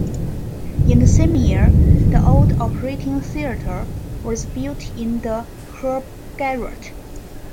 In the same year, the Old Operating Theatre was built in the Herb Garret.